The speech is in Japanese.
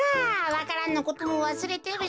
わか蘭のこともわすれてるし。